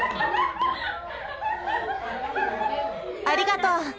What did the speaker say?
ありがとう！